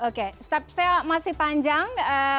oke step saya masih panjang